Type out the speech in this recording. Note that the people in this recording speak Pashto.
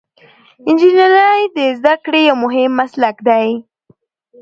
انجنیری د زده کړې یو مهم مسلک دی.